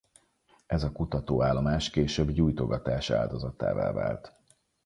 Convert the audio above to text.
Ez a kutatóállomás később gyújtogatás áldozatává vált.